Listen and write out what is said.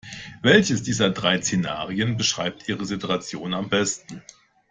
Welches dieser drei Szenarien beschreibt Ihre Situation am besten?